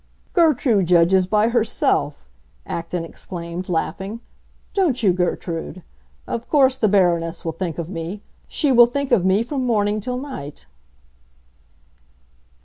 "Gertrude judges by herself!" Acton exclaimed, laughing. "Don't you, Gertrude? Of course the Baroness will think of me. She will think of me from morning till night."